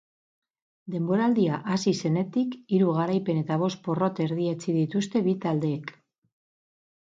Denboraldia hasi zenetik hiru garaipen eta bost porrot erdietsi dituzte bi taldeek.